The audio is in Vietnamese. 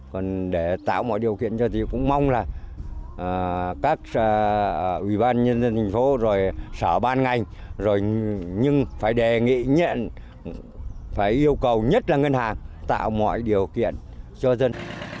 còn để tạo mọi điều kiện cho chị cũng mong là các ủy ban nhân dân thành phố rồi sở ban ngành rồi nhưng phải đề nghị nhện phải yêu cầu nhất là ngân hàng tạo mọi điều kiện cho dân